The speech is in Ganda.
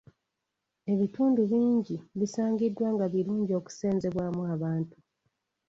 Ebitundu bingi bisangiddwa nga birungi okusenzebwamu abantu.